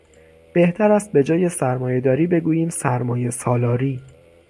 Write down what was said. بهتر است به جای سرمایهداری بگوییم سرمایهسالاری